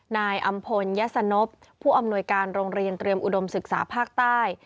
นายอำพลยสนพผู้อำนวยการโรงเรียนเตรียมอุดมศึกษาภาคใต้